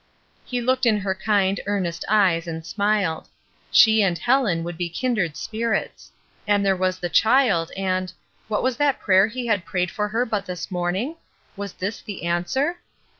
He looked in her kind, earnest eyes and smiled. She and Helen would be kindred spu its. And there was the child, and — what was that prayer he had prayed for her but this morning? Was this the answer